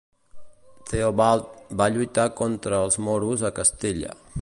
Theobald va lluitar contra els moros a Castella.